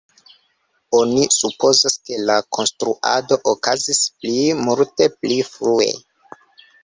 Oni supozas ke la konstruado okazis pli multe pli frue.